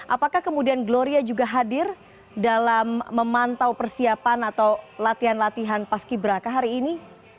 apakah kemudian gloria juga hadir dalam memantau persiapan atau latihan latihan paski beraka hari ini